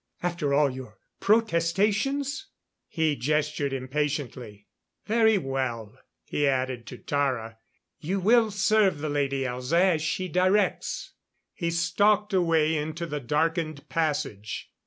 After all your protestations " He gestured impatiently. "Very well." And he added to Tara: "You will serve the Lady Elza as she directs." He stalked away into the darkened passage.